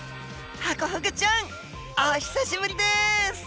ハコフグちゃん！お久しぶりです！